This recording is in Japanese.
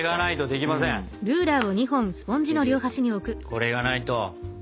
これがないと。